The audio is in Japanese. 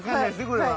これは。